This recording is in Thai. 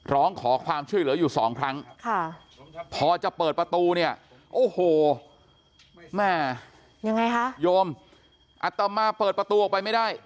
ร้องขอความช่วยเหลืออยู่สองครั้งพอจะเปิดประตูเนี่ยโอ้โหแม่ยังไงคะโยมอัตมาเปิดประตูออกไปไม่ได้